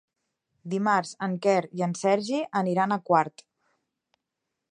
Dimarts en Quer i en Sergi aniran a Quart.